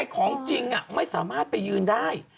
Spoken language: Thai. ของจริงไม่สามารถไปยืนได้